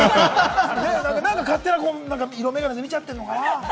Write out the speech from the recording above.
なんか勝手な色眼鏡で見ちゃってるのかな。